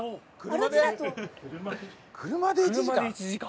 車で１時間？